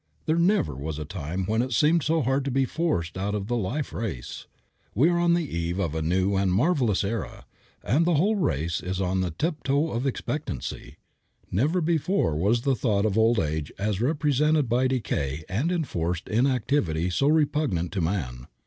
There never was a time when it seemed so hard to be forced out of the life race. We are on the eve of a new and marvelous era, and the whole race is on the tiptoe of expectancy. Never before was the thought of old age as represented by decay and enforced inactivity so repugnant to man.